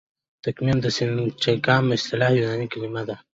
تګمیم او د سینټاګم اصطلاح یوناني کلیمې دي.